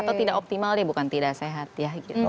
atau tidak optimal ya bukan tidak sehat ya gitu